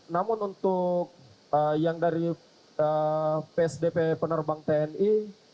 namun untuk yang dari psdp penerbang tni